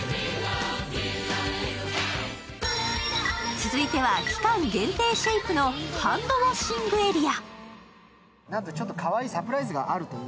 続いては、期間限定シェイプのハンドウォッシングエリア。